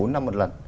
bốn năm một lần